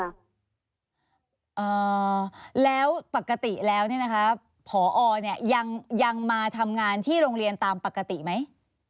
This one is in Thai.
อ่าแล้วปกติแล้วเนี่ยนะคะผอเนี่ยยังยังมาทำงานที่โรงเรียนตามปกติไหม